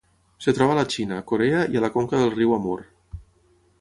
Es troba a la Xina, Corea i a la conca del riu Amur.